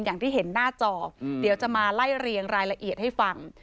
อย่างที่เห็นหน้าจอเดี๋ยวจะมาไล่เรียงรายละเอียดให้ฟัง